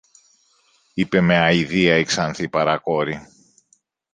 είπε με αηδία η ξανθή παρακόρη.